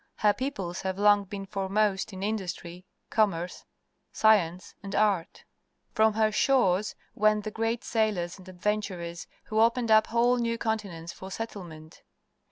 Her peoples have long been foremost in industrj', com merce, science, and art. From her shores went the great sailors and adventurers who opened up whole new continents for settle ment.